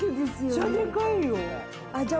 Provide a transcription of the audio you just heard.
めちゃでかいよ。